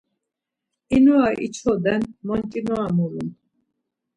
İnora içoden, monç̌inora mulun.